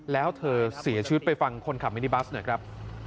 แล้วเธอเสียชีวิตไปฟังคนขับมินิบัสหน่อยครับ